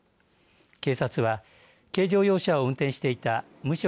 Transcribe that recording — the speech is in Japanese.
警察は軽乗用車を運転していた無職